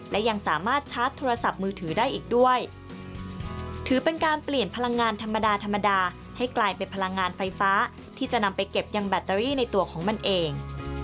และยังสามารถชาร์จโทรศัพท์มือถือได้อีกด้วยถือเป็นการเปลี่ยนพลังงานธรรมดาธรรมดาให้กลายเป็นพลังงานไฟฟ้าที่จะนำไปเก็บยังแบตเตอรี่ในตัวของมันเอง